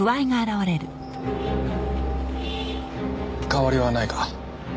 変わりはないか？